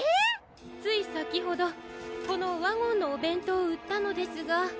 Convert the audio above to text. ついさきほどこのワゴンのおべんとうをうったのですが。